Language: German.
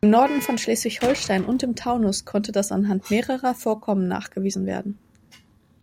Im Norden von Schleswig-Holstein und im Taunus konnte das anhand mehrerer Vorkommen nachgewiesen werden.